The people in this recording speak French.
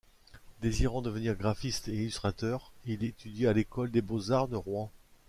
Désirant devenir graphiste et illustrateur, il étudie à l’École des beaux-arts de Rouen.